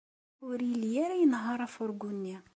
Ur yelli ara inehheṛ afurgu-nni.